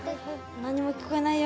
なんにも聞こえないよ